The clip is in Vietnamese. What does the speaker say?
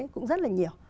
cũng rất là nhiều